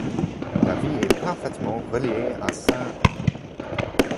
La ville est parfaitement reliée à St.